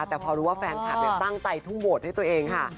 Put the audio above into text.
แต่พอรู้ว่าแฟนคลับตั้งใจทุ่มโหวตให้ตัวเองค่ะ